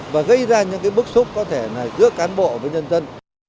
và gây ra những bức xúc có thể giữa cán bộ với nhân dân